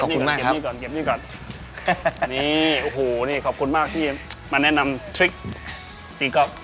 ขอบคุณมากที่มาแนะนำทริคตีกอฟ